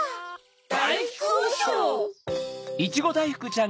だいふくおしょう！